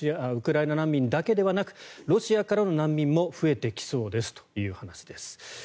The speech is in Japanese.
ウクライナ難民だけではなくロシアからの難民も増えてきそうですという話です。